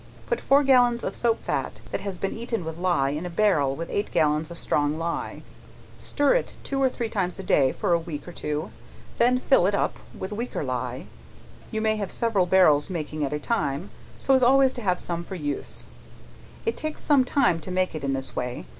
Put four gallons of soap fat that has been eaten with ley, in a barrel with eight gallons of strong ley, stir it two or three times a day, for a week or two, then fill it up with weaker ley, you may have several barrels making at a time, so as always to have some for use, it takes some time to make it in this way.